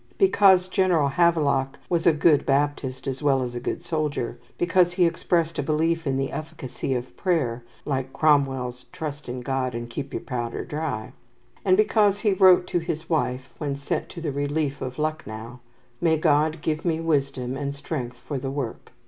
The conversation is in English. Because General Havelock was a good Baptist as well as a good soldier, because he expressed a belief in the efficacy of prayer (like Cromwell's "Trust in God, and keep your powder dry "), and because he wrote to his wife, when sent to the relief of Lucknow, "May God give me wisdom and strength for the work!"